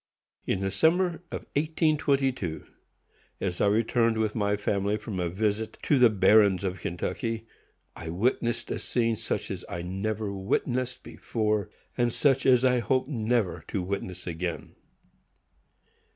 In the summer of 1822, as I returned with my family from a visit to the Barrens of Kentucky, I witnessed a scene such as I never witnessed before, and such as I hope never to witness again.